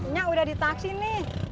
nya udah di taksi nih